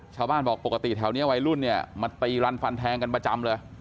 ชาวบ้านบอกปกติแถวนี้วัยรุ่นเนี่ยมาตีรันฟันแทงกันประจำเลย